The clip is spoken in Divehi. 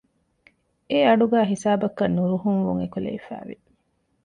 އެއަޑުގައި ހިސާބަކަށް ނުރުހުންވުން އެކުލެވިފައިވި